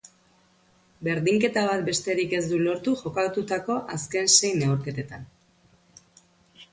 Berdinketa bat besterik ez du lortu jokatutako azken sei neurketetan.